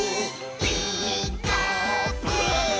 「ピーカーブ！」